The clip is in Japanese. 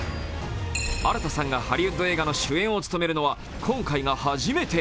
新田さんがハリウッド映画の主演を務めるのは今回が初めて。